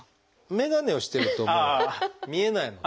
眼鏡をしてるともう見えないので。